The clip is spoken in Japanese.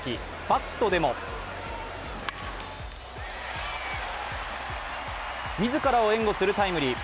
バットでも自らを援護するタイムリー。